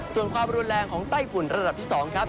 ส่วนความรุนแรงของไต้ฝุ่นระดับที่๒ครับ